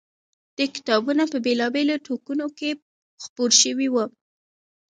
دې کتابونه په بېلا بېلو ټوکونوکې خپور شوی و.